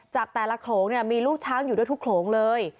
จากแต่ละโขลงเนี่ยมีลูกช้างอยู่ด้วยทุกโขลงเลย